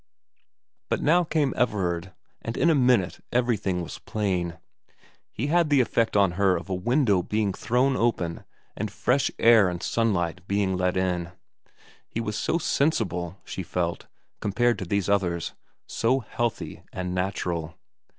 But now came Everard, and in a minute everything was plain. He had the effect on her of a window being thrown open and fresh air and sunlight being let in. He was so sensible, she felt, compared to these others ; so healthy and natural.